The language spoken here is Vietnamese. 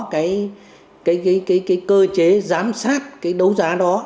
cái cơ chế giám sát cái đấu giá đó